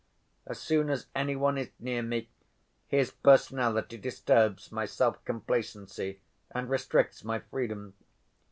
As soon as any one is near me, his personality disturbs my self‐complacency and restricts my freedom.